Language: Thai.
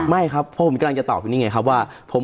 ไม่ครับเพราะผมกำลังจะตอบอยู่นี่ไงครับว่า